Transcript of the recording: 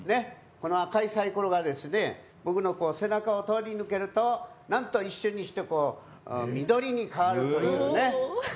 この赤いサイコロが僕の背中を通り抜けるとなんと一瞬にして緑に変わるというね。